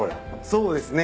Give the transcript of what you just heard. そうですね。